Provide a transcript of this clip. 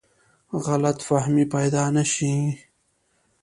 غلط فهمۍ پیدا نه شي.